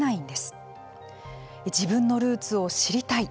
自分のルーツを知りたい。